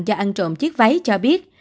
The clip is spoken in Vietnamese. do ăn trộm chiếc váy cho biết